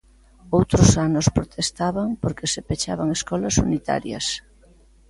Outros anos protestaban porque se pechaban escolas unitarias.